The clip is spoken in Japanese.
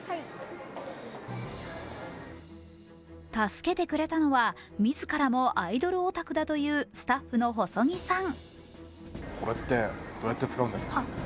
助けてくれたのは自らもアイドルオタクだというスタッフの細木さん。